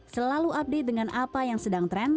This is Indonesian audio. selalu update dengan apa yang sedang tren